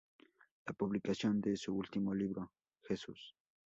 La publicación de su último libro, "Jesús.